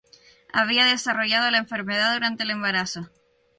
Había desarrollado la enfermedad durante el embarazo.